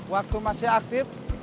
waktu masih aktif